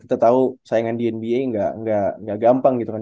kita tau sayangan di nba gak gampang gitu kan